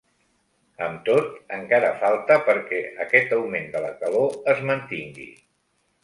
Amb tot, encara falta perquè aquest augment de la calor es mantingui.